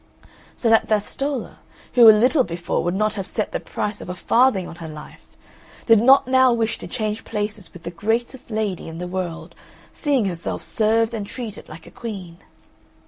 So that Vastolla, who a little before would not have set the price of a farthing on her life, did not now wish to change places with the greatest lady in the world, seeing herself served and treated like a queen.